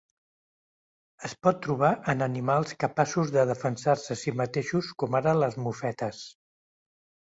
Es pot trobar en animals capaços de defensar-se a si mateixos com ara les mofetes.